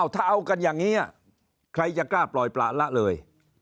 ถ้าเอากันอย่างนี้ใครจะกล้าปล่อยประละเลย